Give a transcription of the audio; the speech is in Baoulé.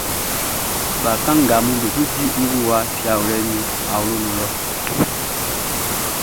Bakannganʼm be su di fiawlɛʼn i ngowa awloʼn nun lɔ.